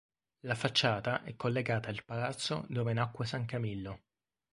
La facciata è collegata al palazzo dove nacque San Camillo.